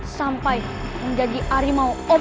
sampai menjadi harimau opong